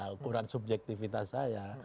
ukuran subjektifitas saya